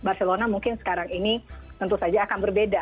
barcelona mungkin sekarang ini tentu saja akan berbeda